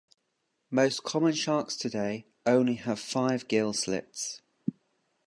Most common sharks today only have five gill slits.